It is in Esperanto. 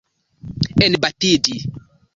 Enbatiĝi.